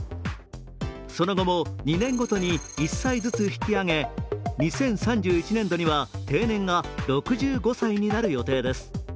その後も２年ごとに１歳ずつ引き上げ、２０３１年度には定年が６５歳になる予定です。